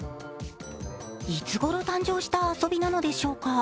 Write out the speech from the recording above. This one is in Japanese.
いつごろ誕生した遊びなのでしょうか。